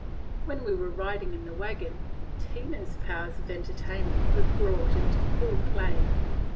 When we were riding in the wagon, Tina's powers of entertainment were brought into full play.